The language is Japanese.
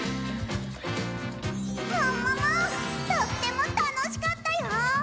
もももとってもたのしかったよ！